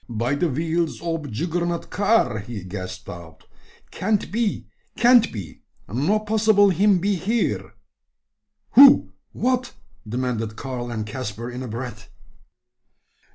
"By de wheels ob Juggernaut car!" he gasped out. "Can't be can't be; no possible him be here." "Who? What?" demanded Karl and Caspar, in a breath.